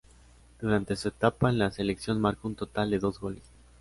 Durante su etapa en la selección marcó un total de dos goles.